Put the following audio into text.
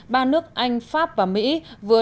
ba nước anh pháp và mỹ vừa